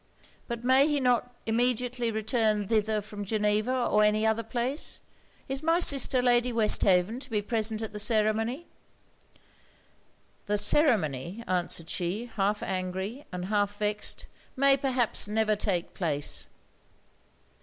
'But may he not immediately return thither from Geneva or any other place? Is my sister, Lady Westhaven, to be present at the ceremony?' 'The ceremony,' answered she, half angry and half vexed, 'may perhaps never take place.'